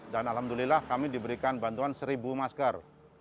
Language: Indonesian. dan alhamdulillah kami diberikan bantuan seribu masker